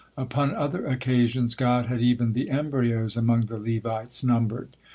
Upon other occasions God had even the embryos among the Levites numbered.